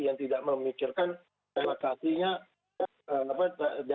yang tidak memikirkan relaksasinya apa namanya